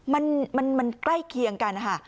มันมันมันใกล้เคียงกันค่ะ